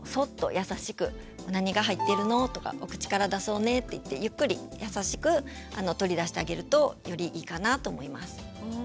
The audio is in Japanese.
優しく「何が入ってるの？」とか「お口から出そうね」って言ってゆっくり優しく取り出してあげるとよりいいかなと思います。